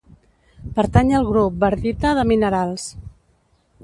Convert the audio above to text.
Pertany al grup wardita de minerals.